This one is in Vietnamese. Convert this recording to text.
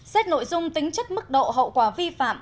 xét nội dung tính chất mức độ hậu quả vi phạm